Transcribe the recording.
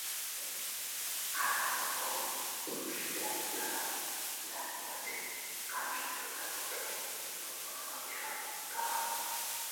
আর আমরা বহুদর্শিতার দ্বারা জানিয়াছি, কার্য করিবার পক্ষে এইরূপ মনোভাবই সর্বাপেক্ষা ভাল।